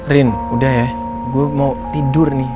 rin udah ya gue mau tidur nih